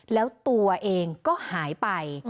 แล้วตัวเองก็หายไป